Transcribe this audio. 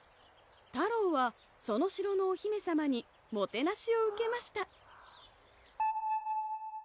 「たろうはその城のお姫さまにもてなしを受けました」